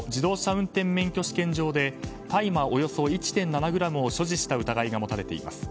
運転免許証試験場で大麻およそ１．７ｇを所持した疑いが持たれています。